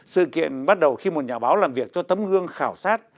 sự kiện bắt đầu khi một nhà báo làm việc cho tấm gương khảo sát